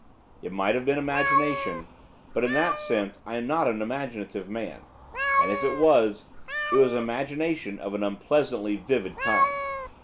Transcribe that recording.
It might have been imagination, but, in that sense, I am not an imaginative man; and, if it was, it was imagination of an unpleasantly vivid kind.